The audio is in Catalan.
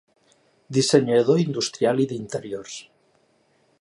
Dissenyador industrial i d'interiors.